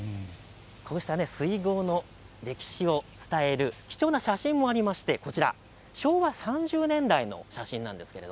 こうした水郷の歴史を伝える貴重な写真もあって昭和３０年代の写真です。